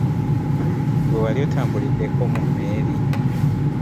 Gwe wali otambuliddeko mu mmeeri?